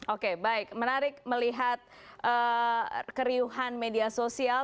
oke baik menarik melihat keriuhan media sosial